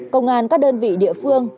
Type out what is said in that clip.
công an các đơn vị địa phương